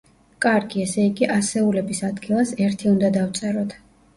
კარგი, ესე იგი, ასეულების ადგილას ერთი უნდა დავწეროთ.